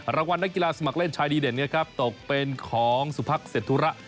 รางวัลนักกีฬาสมัครเล่นชายดีเด่นนะครับตกเป็นของสุพักเสร็จธุระ